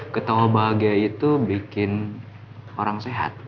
ketawa bahagia itu bikin orang sehat